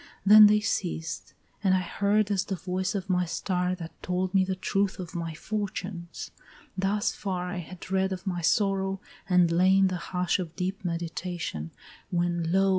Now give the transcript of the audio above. Then they ceased I had heard as the voice of my star That told me the truth of my fortunes thus far I had read of my sorrow, and lay in the hush Of deep meditation, when lo!